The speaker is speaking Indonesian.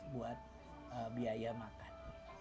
buat biaya makan